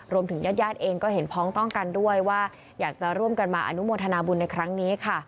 ญาติญาติเองก็เห็นพ้องต้องกันด้วยว่าอยากจะร่วมกันมาอนุโมทนาบุญในครั้งนี้ค่ะ